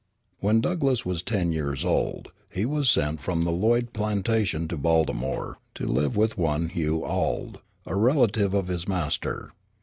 When Douglass was ten years old, he was sent from the Lloyd plantation to Baltimore, to live with one Hugh Auld, a relative of his master.